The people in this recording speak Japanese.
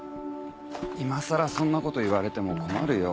今さらそんな事言われても困るよ。